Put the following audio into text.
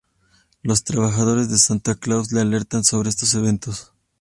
Los trabajadores de Santa Claus le alertan sobre estos eventos.